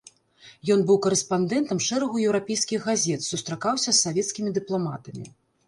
Ён быў карэспандэнтам шэрагу еўрапейскіх газет, сустракаўся з савецкімі дыпламатамі.